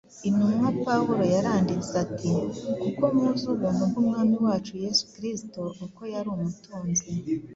intumwa pawulo yaranditse ati: “kuko muzi ubuntu bw’umwami wacu yesu kristo, uko yari umutunzi,